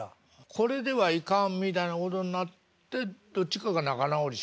「これではいかん」みたいなことになってどっちかが「仲直りしよか」